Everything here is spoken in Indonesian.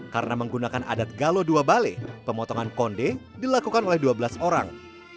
karena menggunakan adat galo dua bale pemotongan konde dilakukan oleh dua belas orang